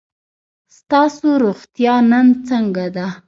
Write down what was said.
ستاسو روغتیا نن څنګه ده؟